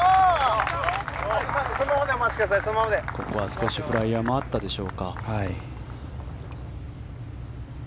少しフライヤーもあったでしょうか。